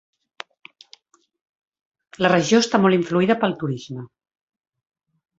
La regió està molt influïda pel turisme.